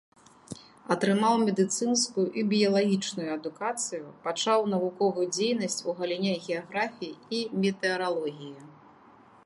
Атрымаў медыцынскую і біялагічную адукацыю, пачаў навуковую дзейнасць у галіне геаграфіі і метэаралогіі.